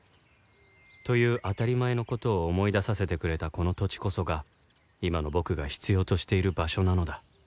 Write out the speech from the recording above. という当たり前の事を思い出させてくれたこの土地こそが今の僕が必要としている場所なのだ